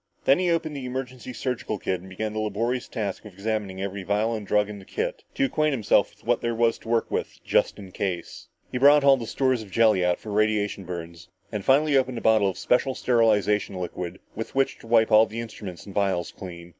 Then he opened the emergency surgical kit and began the laborious task of examining every vial and drug in the kit to acquaint himself with what there was to work with just in case. He brought all the stores of jelly out for radiation burns and finally opened a bottle of special sterilization liquid with which to wipe all the instruments and vials clean.